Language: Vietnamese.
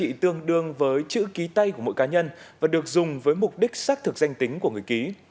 giá trị tương đương với chữ ký tay của mỗi cá nhân và được dùng với mục đích xác thực danh tính của người ký